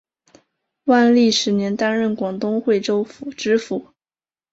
万历十年担任广东惠州府知府。